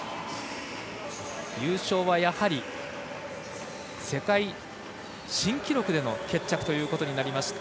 優勝はやはり、世界新記録での決着ということになりました